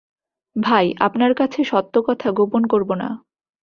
ভাই, আপনার কাছে সত্য কথা গোপন করব না।